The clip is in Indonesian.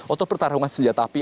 atau pertarungan senjata api